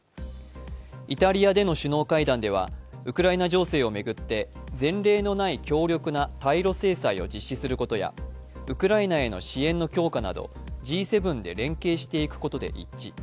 イタリアでの首脳会談ではウクライナ情勢を巡って前例のない協力な対ロ制裁を実施することやウクライナへの支援の強化などＧ７で連携していくことで一致。